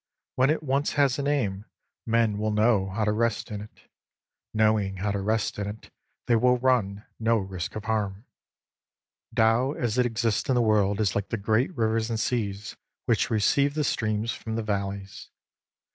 When it once has a name, men will know how to rest in it. Knowing how to rest in it, they will run no risk of harm. Tao as it exists in the world is like the great rivers and seas which receive the streams from the valleys.